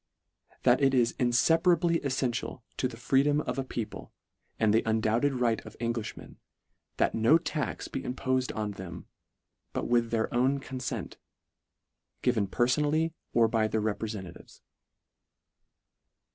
"That it is infeparably eSfential to the freedom of a people and the undoubted right of Englishmen, that no tax be impofed on them, but with their own confent, given perfonally or by their reprefentatives."